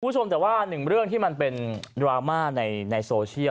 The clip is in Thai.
คุณผู้ชมแต่ว่าหนึ่งเรื่องที่มันเป็นดราม่าในโซเชียล